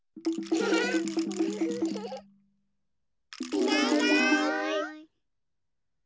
いないいない。